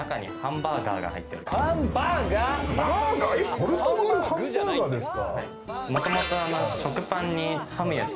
ポルトガルハンバーガーですか？